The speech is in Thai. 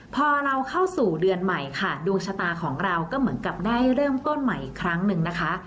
พอเราเข้าสู่เดือนใหม่ค่ะดวงชะตาของเราก็เหมือนกับได้เริ่มต้นใหม่อีกครั้งหนึ่งนะคะ